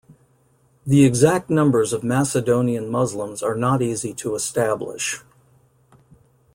The exact numbers of Macedonian Muslims are not easy to establish.